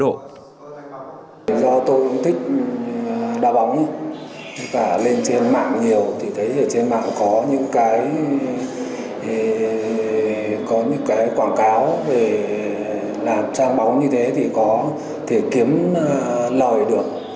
do tôi thích đá bóng và lên trên mạng nhiều thì thấy ở trên mạng có những cái quảng cáo về làm trang bóng như thế thì có thì kiếm lời được